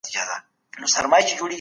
د اوبو څښل د معدې لپاره ښه دي.